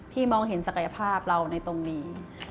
มองเห็นศักยภาพเราในตรงนี้